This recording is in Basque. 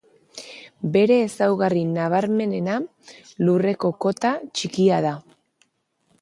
Bere ezaugarri nabarmenena lurreko kota txikia da.